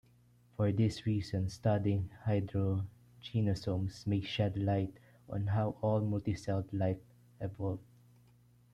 For this reason, studying hydrogenosomes may shed light on how all multi-celled life evolved.